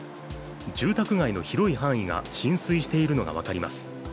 住宅街の広い範囲が浸水しているのが分かります。